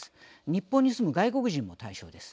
日本に住む外国人も対象です。